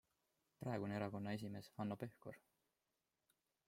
Praegune erakonna esimees Hanno Pevkur?